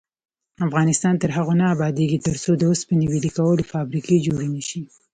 افغانستان تر هغو نه ابادیږي، ترڅو د اوسپنې ویلې کولو فابریکې جوړې نشي.